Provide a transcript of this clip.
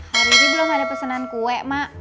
hari ini belum ada pesanan kue mak